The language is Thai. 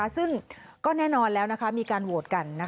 ซึ่งก็แน่นอนแล้วมีการโหวตกัน